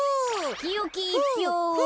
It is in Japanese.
きよきいっぴょうを。